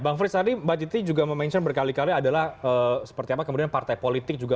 bang frits tadi mbak titi juga memention berkali kali adalah seperti apa kemudian partai politik juga